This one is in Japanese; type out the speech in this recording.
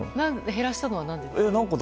減らしたのは何でですか？